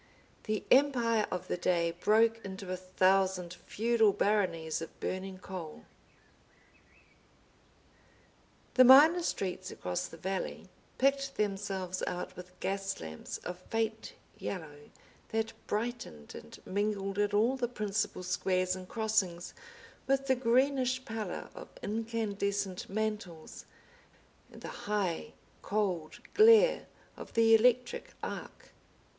The empire of the day broke into a thousand feudal baronies of burning coal. The minor streets across the valley picked themselves out with gas lamps of faint yellow, that brightened and mingled at all the principal squares and crossings with the greenish pallor of incandescent mantles and the high cold glare of the electric arc.